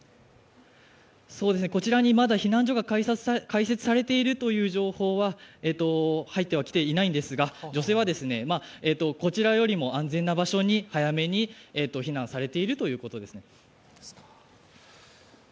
こちらにまだ避難所が開設されているという情報は入ってきていないんですが、女性は、こちらよりも安全な場所に早めに避難されているということです。